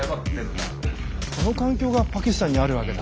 この環境がパキスタンにあるわけだ。